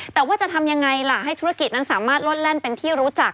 แต่ว่าจะทำยังไงล่ะให้ธุรกิจนั้นสามารถล่นแล่นเป็นที่รู้จัก